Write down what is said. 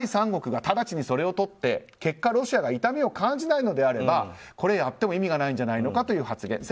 その権益を手放しても第三国がただちにそれをとって結果ロシアが痛みを感じないのであればこれをやっても意味ないんじゃないかという発言。